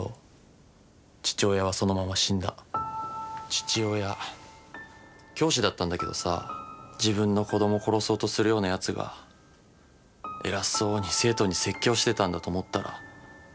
父親教師だったんだけどさ自分の子ども殺そうとするようなやつが偉そうに生徒に説教してたんだと思ったら。